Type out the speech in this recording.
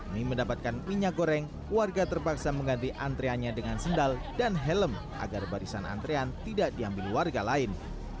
mie mendapatkan minyak goreng warga terpaksa mengganti antreannya dengan sendal dan helm agar barisan antrean tidak diambil warga lain